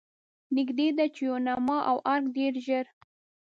نږدې ده چې یوناما او ارګ ډېر ژر.